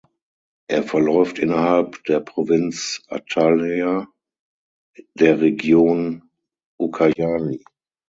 Er verläuft innerhalb der Provinz Atalaya der Region Ucayali.